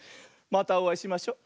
またおあいしましょ。